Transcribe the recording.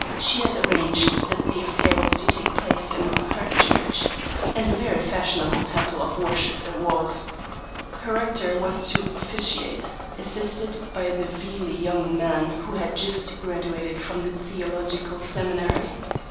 She had arranged that the affair was to take place in "her church"—and a very fashionable temple of worship it was. Her rector was to officiate, assisted by the vealy young man who had just graduated from the theological seminary.